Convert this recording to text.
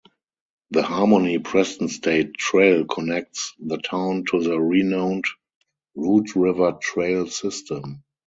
The Harmony-Preston State Trail connects the town to the renowned Root River Trail system.